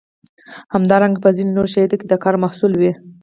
همدارنګه په ځینو نورو شرایطو کې د کار محصول وي.